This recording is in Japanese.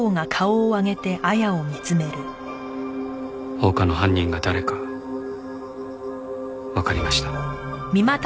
放火の犯人が誰かわかりました。